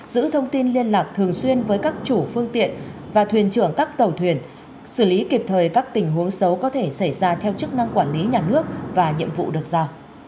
giữ thông tin liên lạc thường xuyên với các chủ phương tiện và thuyền trưởng các tàu thuyền xử lý kịp thời các tình huống xấu có thể xảy ra theo chức năng quản lý nhà nước và nhiệm vụ được giao